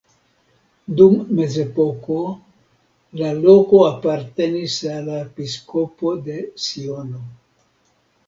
Dum mezepoko la loko apartenis al la episkopo de Siono.